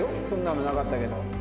そんなのなかったけど。